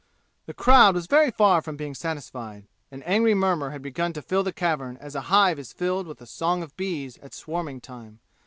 The crowd was very far from being satisfied. An angry murmur had begun to fill the cavern as a hive is filled with the song of bees at swarming time.